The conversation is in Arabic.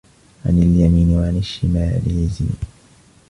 عن اليمين وعن الشمال عزين